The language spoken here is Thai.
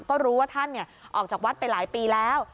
ก็รู้ว่าท่านออกจากวัดไปหลายปีแล้ว